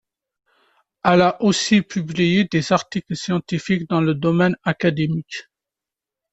Elle a aussi publié des articles scientifiques dans le domaine académique.